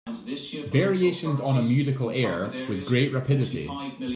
Variations on a musical air With great rapidity.